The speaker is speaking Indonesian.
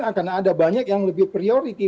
akan ada banyak yang lebih priority